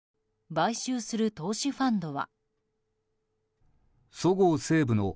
買収する投資ファンドは。